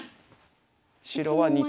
白は２手。